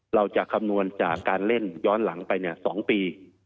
เราจะคำนวณจากการเล่นย้อนหลังไป๒ปี